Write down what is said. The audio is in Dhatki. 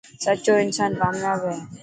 سچو انسان ڪامياب هي.